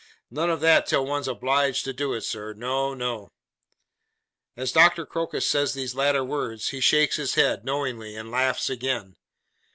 None of that till one's obliged to do it, sir. No, no!' As Doctor Crocus says these latter words, he shakes his head, knowingly, and laughs again.